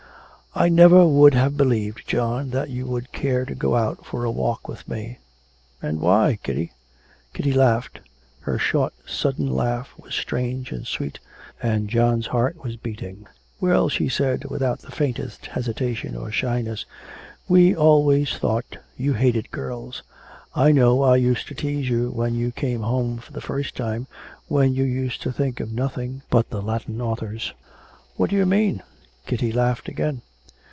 'I never would have believed, John, that you would care to go out for a walk with me.' 'And why, Kitty?' Kitty laughed her short, sudden laugh was strange and sweet, and John's heart was beating. 'Well,' she said, without the faintest hesitation or shyness, 'we always thought you hated girls. I know I used to tease you when you came home for the first time, when you used to think of nothing but the Latin authors.' 'What do you mean?' Kitty laughed again.